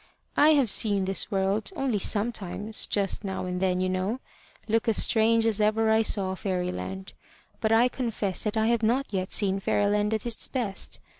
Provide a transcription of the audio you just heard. I have seen this world only sometimes, just now and then, you know look as strange as ever I saw Fairyland. But I confess that I have not yet seen Fairyland at its best.